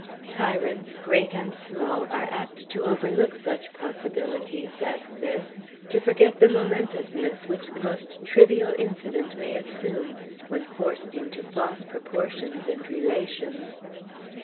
Tyrants, great and small, are apt to overlook such possibilities as this; to forget the momentousness which the most trivial incident may assume when forced into false proportions and relations.